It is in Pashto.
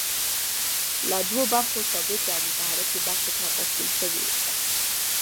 له دوو برخو ثابتې او متحرکې برخې څخه تشکیل شوې ده.